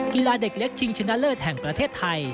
กีฬาเด็กเล็กชิงชนะเลิศแห่งประเทศไทย